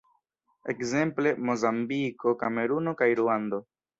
Ekzemple, Mozambiko, Kameruno kaj Ruando.